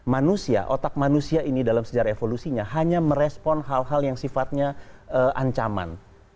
manusia otak manusia ini dalam sejarah evolusinya hanya merespon hal hal yang sifatnya ancaman